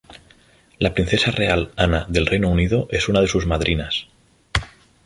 La Princesa Real Ana del Reino Unido es una de sus madrinas.